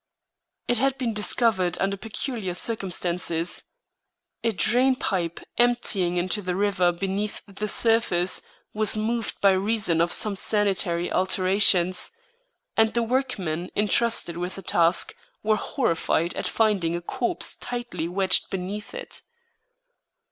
It had been discovered under peculiar circumstances. A drain pipe emptying into the river beneath the surface was moved by reason of some sanitary alterations, and the workmen intrusted with the task were horrified at finding a corpse tightly wedged beneath it.